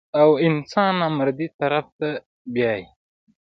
او انسان نامردۍ طرف ته بيائي -